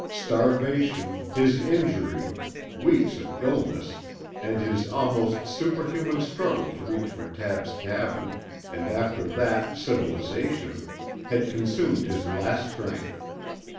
Starvation, his injury, weeks of illness, and his almost superhuman struggle to reach McTabb's cabin, and after that civilization, had consumed his last strength.